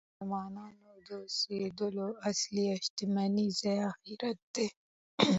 د مسلمانانو د اوسیدو اصلی او همیشنی ځای آخرت دی .